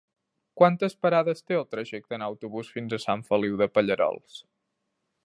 Quantes parades té el trajecte en autobús fins a Sant Feliu de Pallerols?